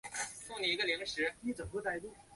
大定二十九年三月竣工。